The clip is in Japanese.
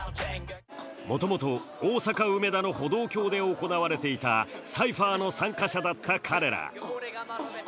もともと、大阪・梅田の歩道橋で行われていたサイファーの参加者だった彼ら。